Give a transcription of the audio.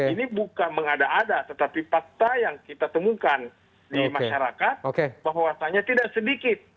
ini bukan mengada ada tetapi fakta yang kita temukan di masyarakat bahwasannya tidak sedikit